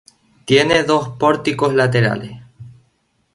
Tiene dos pórticos laterales.